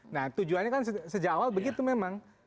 nah tujuannya kan sejak awal begitu memang